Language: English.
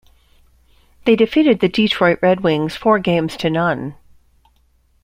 They defeated the Detroit Red Wings four games to none.